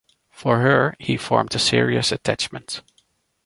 For her he formed a serious attachment.